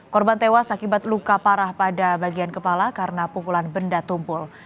korban tewas akibat luka parah pada bagian kepala karena pukulan benda tumpul